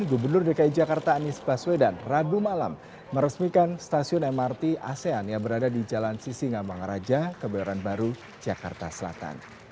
gubernur dki jakarta anies baswedan rabu malam meresmikan stasiun mrt asean yang berada di jalan sisingamangaraja kebayoran baru jakarta selatan